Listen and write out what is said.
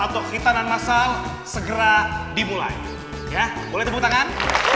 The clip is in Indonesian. atau hitanan masal segera dimulai ya boleh tepuk tangan